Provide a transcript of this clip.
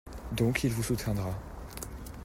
Donc, il vous soutiendra.